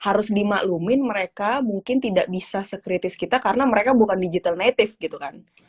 harus dimaklumin mereka mungkin tidak bisa sekritis kita karena mereka bukan digital native gitu kan